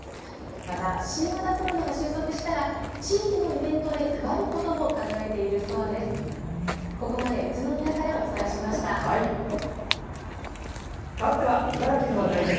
また、新型コロナが収束したら地域のイベントで配ることも考えているそうです。